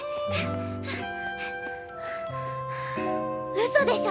うそでしょ！？